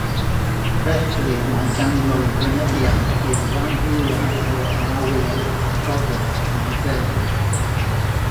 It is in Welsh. Felly mae ganddo fynediad i'r rhan fwyaf o awyr y gogledd a'r de.